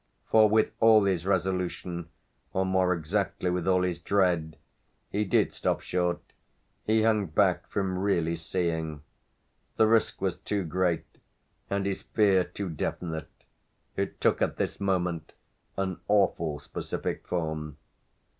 For, with all his resolution, or more exactly with all his dread, he did stop short he hung back from really seeing. The risk was too great and his fear too definite: it took at this moment an awful specific form.